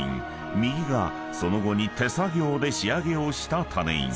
［右がその後に手作業で仕上げをした種印］